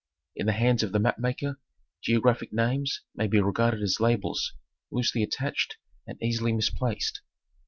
In the hands of the map maker geographic names may be regarded as labels loosely attached and easily misplaced.